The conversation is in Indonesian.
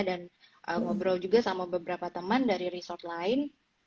dan ngobrol juga sama beberapa teman dari resort lain